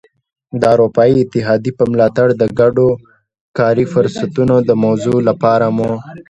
د اروپايي اتحادیې په ملاتړ د ګډو کاري فرصتونو د موضوع لپاره مو.